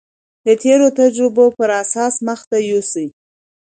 د تېرو تجربو پر اساس مخته يوسي.